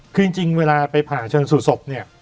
คือจริงเวลาไปผ่าชนสูตรศพเนี่ย